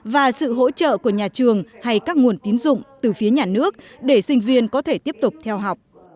và sự hỗ trợ của nhà trường hay các nguồn tín dụng từ phía nhà nước để sinh viên có thể tiếp tục theo học